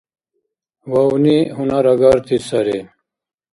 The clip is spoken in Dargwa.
Вавни гьунарагарти сари.